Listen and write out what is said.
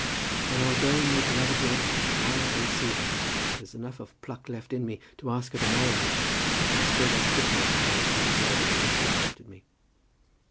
"Then I'll go and make love at once to Clara Van Siever. There's enough of pluck left in me to ask her to marry me, and I suppose I could manage to go through the ceremony if she accepted me."